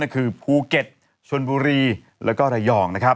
คือภูเก็ตชวนบุรีและเรยอง